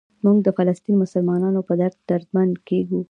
موږ د فلسطیني مسلمانانو په درد دردمند کېږو.